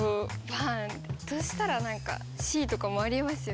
そしたら何かＣとかもありえますよね